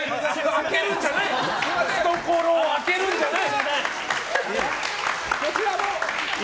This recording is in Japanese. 懐を開けるんじゃない！